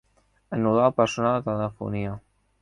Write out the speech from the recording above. Anul·lar el personal de telefonia.